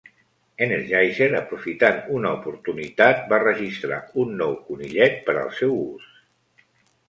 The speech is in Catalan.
Energizer, aprofitant una oportunitat, va registrar un nou conillet per al seu ús.